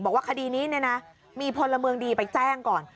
บอกว่าคดีนี้มีพลเมืองดีไปแจ้งก่อน